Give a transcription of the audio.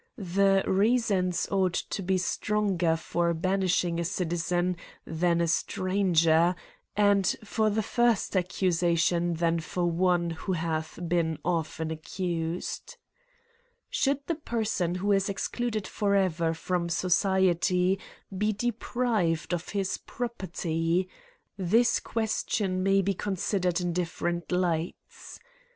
The reasons ought to be strong er for banishing a citizen than a stranger, and for the first accusation than for one who hath been often accused. CRIMES AND PUNISHMENTS ^7 Should the person who is excluded for ever from society be deprived of his property ? This question may be considered in different lights.